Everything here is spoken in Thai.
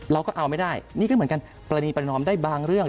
เราก็เอาไม่ได้นี่ก็เหมือนกันปรณีประนอมได้บางเรื่อง